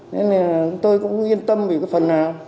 nên tôi cũng yên tâm vì cái phần nào